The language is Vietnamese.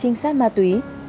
trinh sát ma túy